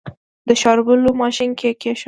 د شاربلو ماشين کې يې کېښود.